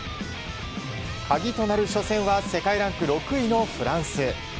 鍵となる初戦は世界ランク６位のフランス。